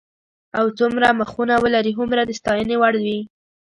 او څومره مخونه ولري هومره د ستاینې وړ وي.